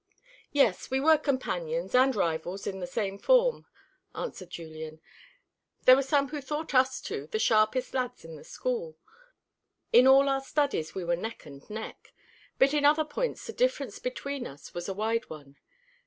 "Yes, we were companions and rivals in the same form," answered Julian. "There were some who thought us two the sharpest lads in the school. In all our studies we were neck and neck: but in other points the difference between us was a wide one.